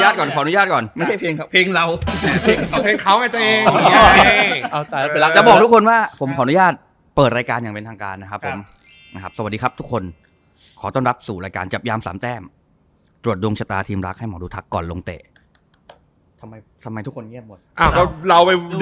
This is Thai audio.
สวัสดีครับทุกคนขอต้อนรับสู่รายการจับยาม๓แต้มตรวจดวงชะตาทีมรักให้หมอดูทักก่อนลงเตะ